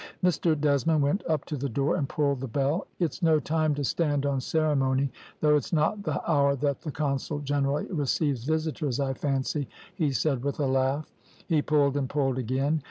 Mr Desmond went up to the door and pulled the bell. `It's no time to stand on ceremony, though it's not the hour that the consul generally receives visitors, I fancy,' he said, with a laugh. He pulled and pulled again.